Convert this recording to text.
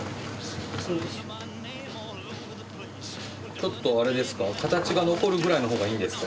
ちょっとあれですか？